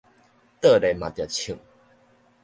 倒咧嘛著銃